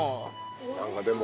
何かでも。